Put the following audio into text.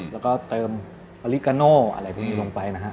แล้วก็เติมอลิกาโน่อะไรพวกนี้ลงไปนะฮะ